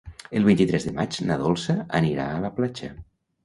El vint-i-tres de maig na Dolça anirà a la platja.